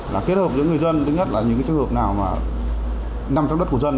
là kết hợp với người dân đứng nhất là những cái trường hợp nào mà nằm trong đất của dân